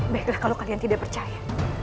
baiklah kalau kalian tidak percaya